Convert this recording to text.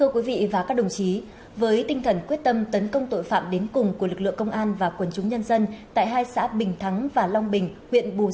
các bạn hãy đăng ký kênh để ủng hộ kênh của chúng mình nhé